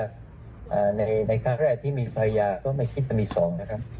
อ่าในในข้างแรกที่มีประโยชน์ก็ไม่คิดจะมีสองนะครับ